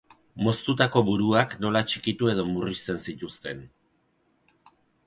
Moztutako buruak nola txikitu edo murrizten zituzten.